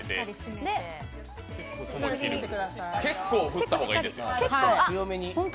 結構振った方がいいですよ。